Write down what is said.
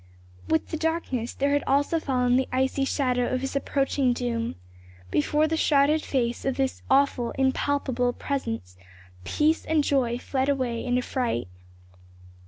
With the darkness there had also fallen the icy shadow of his approaching doom; before the shrouded face of this awful impalpable presence peace and joy fled away in affright.